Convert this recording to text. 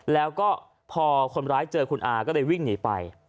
แล้วก็พอคนร้ายเจอคุณอาก็เลยวิ่งหนีไป